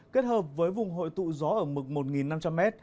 kết hợp với vùng hội tụ gió ở mực một năm trăm linh m